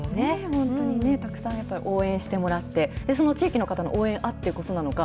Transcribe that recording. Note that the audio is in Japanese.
本当にね、たくさん応援してもらって、その地域の方の応援あってこそなのか、